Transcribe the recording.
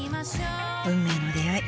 運命の出会い。